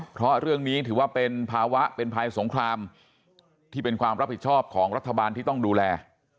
เพราะเรื่องนี้ถือว่าเป็นภาวะเป็นภัยสงครามที่เป็นความรับผิดชอบของรัฐบาลที่ต้องดูแล